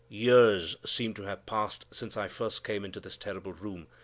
Years seemed to have passed since I first came into this terrible room.